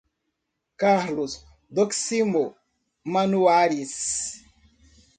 Carlos Doximo Manuaris